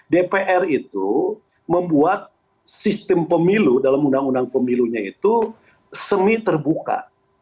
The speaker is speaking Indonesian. dpr itu membuat sistem pemilu dalam undang undang pemilunya itu semi terbuka